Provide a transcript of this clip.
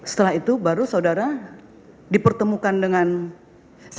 setelah itu baru saudara dipertemukan dengan saksi